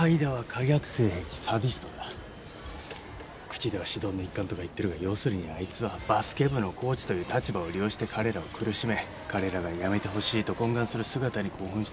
口では指導の一環とか言ってるが要するにあいつはバスケ部のコーチという立場を利用して彼らを苦しめ彼らがやめてほしいと懇願する姿に興奮していただけだ。